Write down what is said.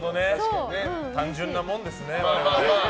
単純なもんですね。